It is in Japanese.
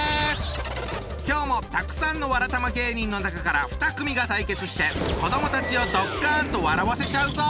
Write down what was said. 今日もたくさんのわらたま芸人の中から２組が対決して子どもたちをドッカンと笑わせちゃうぞ！